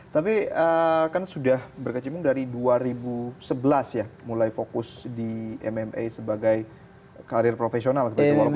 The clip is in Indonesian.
tapi kan sudah berkecimpung dari dua ribu sebelas ya mulai fokus di mma sebagai karir profesional